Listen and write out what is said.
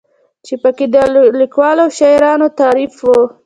چې پکې د ليکوالو او شاعرانو تعارف